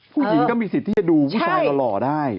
ผู้หญิงก็มีสิทธิ์ที่จะดูผู้ชายหล่อได้